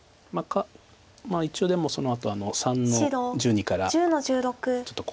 まあ一応でもそのあと３の十二からちょっと。